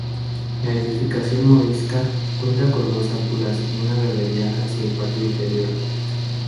La edificación morisca cuenta con dos alturas y una galería hacia el patio interior.